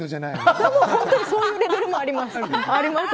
本当にそういうレベルもあります。